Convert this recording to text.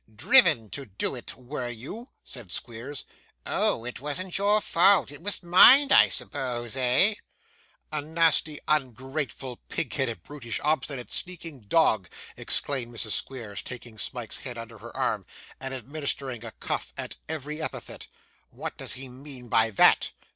'Driven to do it, were you?' said Squeers. 'Oh! it wasn't your fault; it was mine, I suppose eh?' 'A nasty, ungrateful, pig headed, brutish, obstinate, sneaking dog,' exclaimed Mrs. Squeers, taking Smike's head under her arm, and administering a cuff at every epithet; 'what does he mean by that?